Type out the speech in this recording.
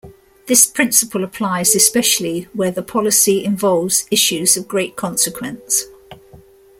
This principle applies especially where the policy involves issues of great consequence.